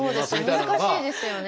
難しいですよね。